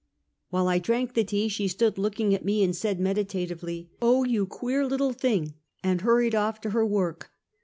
" While I drank the tea, she stood looking at me, and said meditatively: " Oh, you queer little thing," and hurried off to her work.